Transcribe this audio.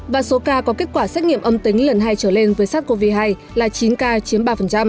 và số ca có kết quả xét nghiệm âm tính lần hai trở lên với sars cov hai là chín ca chiếm ba